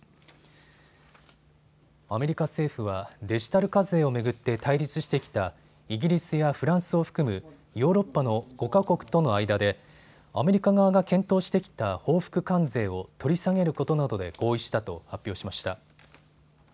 アメリカ政府はデジタル課税を巡って対立してきたイギリスやフランスを含むヨーロッパの５か国との間でアメリカ側が検討してきた報復関税を取り下げることなどで合意したと発表しました。